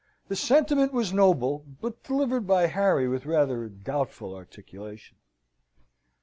The sentiment was noble, but delivered by Harry with rather a doubtful articulation.